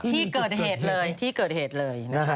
ที่เกิดเหตุเลยที่เกิดเหตุเลย